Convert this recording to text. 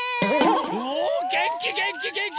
おげんきげんきげんき！